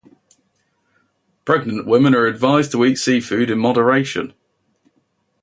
Pregnant women are advised to eat seafood in moderation.